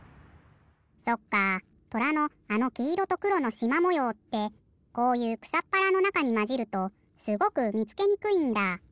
そっかとらのあのきいろとくろのしまもようってこういうくさっぱらのなかにまじるとすごくみつけにくいんだ。